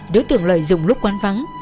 đối tượng lợi dụng lúc quán vắng